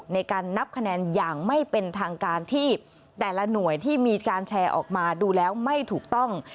ในการนับคะแนนอย่างไม่เป็นทางการที่แต่ละหน่วยที่มีการแชร์ออกมาดูแล้วไม่ถูกต้อง